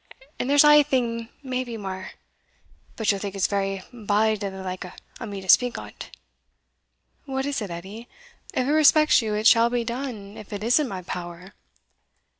And there's ae thing maybe mair, but ye'll think it's very bald o' the like o' me to speak o't." "What is it, Edie? if it respects you it shall be done if it is in my power."